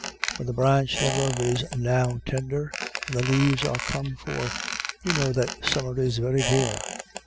When the branch thereof is now tender and the leaves are come forth, you know that summer is very near.